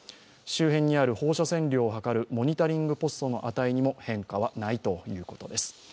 周辺にある放射線量をはかるモニタリング量の値にも変化はないということです。